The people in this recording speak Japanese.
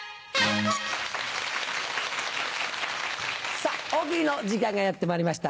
さぁ「大喜利」の時間がやってまいりました。